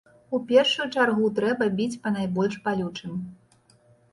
У першую чаргу трэба біць па найбольш балючым.